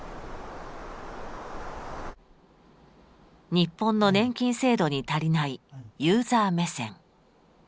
日本の年金制度に足りないユーザー目線。